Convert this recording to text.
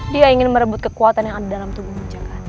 dia ingin merebut kekuatan yang ada dalam tubuhmu